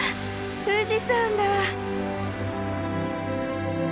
富士山だ！